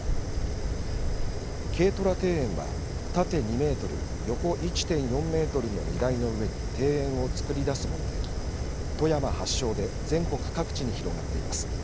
軽トラ庭園は縦２メートル横１．４メートルの荷台の上に庭園を作り出すもので富山発祥で全国各地に広がっています。